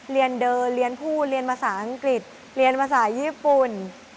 เรียนเดิมเรียนพูดเรียนภาษาอังกฤษเรียนภาษาญี่ปุ่น